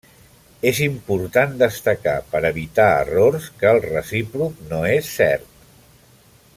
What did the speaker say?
És important destacar, per evitar errors, que el recíproc no és cert.